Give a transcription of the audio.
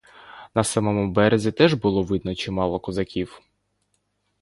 На самому березі теж було видно чимало козаків.